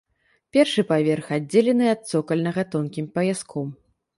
Першы паверх аддзелены ад цокальнага тонкім паяском.